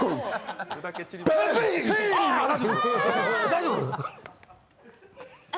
大丈夫？